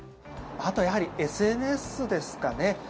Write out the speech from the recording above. あとはやはりＳＮＳですかね。